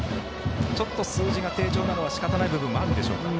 ちょっと数字が低調なのはしかたない部分もあるんでしょうか。